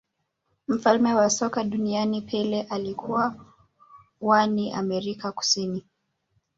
mfalme wa soka duniani pele alikuwa wa ni amerika kusini